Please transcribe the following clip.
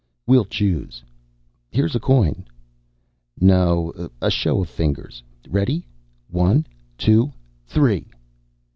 "We'll choose." "Here's a coin." "No, a show of fingers." "Ready? One, two, three!"